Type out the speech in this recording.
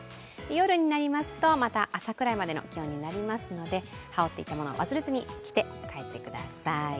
夜になりますと、また朝くらいの気温になりますので羽織っていたものを着て帰ってください。